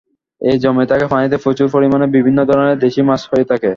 এই জমে থাকা পানিতে প্রচুর পরিমাণে বিভিন্ন ধরনের দেশি মাছ হয়ে থাকে।